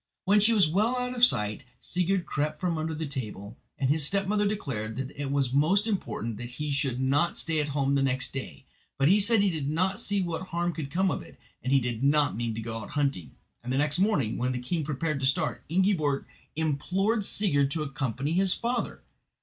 When she was well out of sight Sigurd crept from under the table, and his stepmother declared that it was most important that he should not stay at home next day; but he said he did not see what harm could come of it, and he did not mean to go out hunting, and the next morning, when the king prepared to start, Ingiborg implored Sigurd to accompany his father.